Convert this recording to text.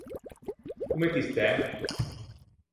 Comme ti stæ?